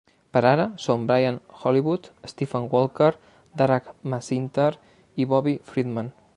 Per ara, són Brian Hollywood, Stephen Walker, Darragh MacIntyre i Bobby Friedman.